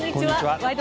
「ワイド！